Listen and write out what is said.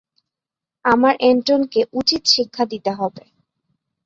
আমার এন্টনকে উচিত শিক্ষা দিতে হবে।